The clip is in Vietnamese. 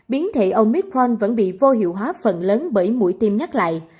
biến thể omicron vẫn bị vô hiệu hóa phần lớn bởi mũi tim nhắc lại